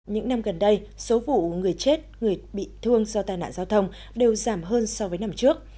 những năm gần đây số vụ người chết người bị thương do tai nạn giao thông đều giảm hơn so với năm trước